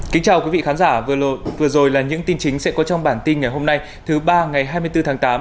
kính chào quý vị khán giả vừa rồi là những tin chính sẽ có trong bản tin ngày hôm nay thứ ba ngày hai mươi bốn tháng tám